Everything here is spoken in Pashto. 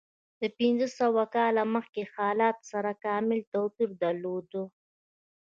د پنځه سوه کاله مخکې حالت سره کاملا توپیر درلود.